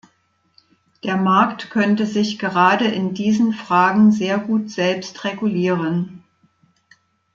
Der Markt könnte sich gerade in diesen Fragen sehr gut selbst regulieren.